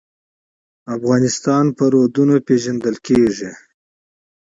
افغانستان د دریابونه له مخې پېژندل کېږي.